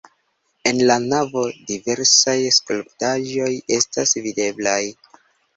En la navo diversaj skulptaĵoj estas videblaj.